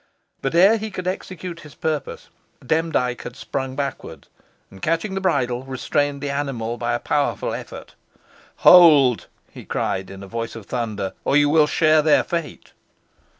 But ere he could execute his purpose, Demdike had sprung backward, and, catching the bridle, restrained the animal by a powerful effort. "Hold!" he cried, in a voice of thunder, "or you will share their fate."